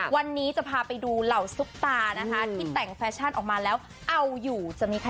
วันนี้จะพาไปดูเหล่าซุปตานะคะที่แต่งแฟชั่นออกมาแล้วเอาอยู่จะมีใคร